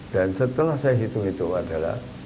dan setelah saya hitung itu adalah